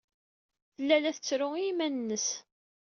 Tella la tettru i yiman-nnes.